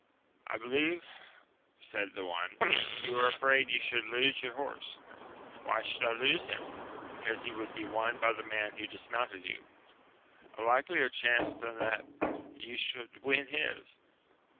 I be lieve said the one, you are afraid you should lose your horse. Why should I lose him ? Because he would be won by the man who dismounted you : a likelier chance than that you should win his.